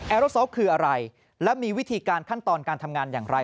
โรซอล์คืออะไรและมีวิธีการขั้นตอนการทำงานอย่างไร